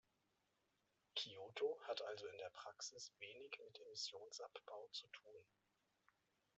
Kyoto hat also in der Praxis wenig mit Emissionsabbau zu tun.